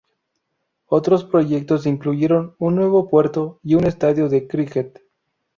Otros proyectos incluyeron un nuevo puerto y un estadio de críquet.